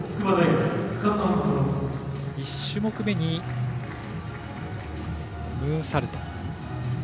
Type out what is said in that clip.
１種目めにムーンサルト。